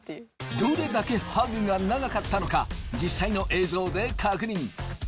どれだけハグが長かったのか実際の映像で確認。